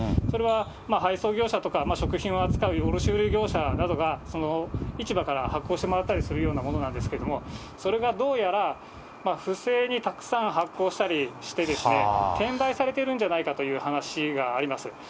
それは配送業者とか、食品を扱う卸売業者がその市場から発行してもらったりするようなものなんですけれども、それがどうやら、不正にたくさん発行したりして、転売されているんじゃないかという話があります。